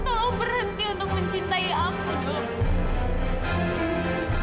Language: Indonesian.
tolong berhenti untuk mencintai aku dong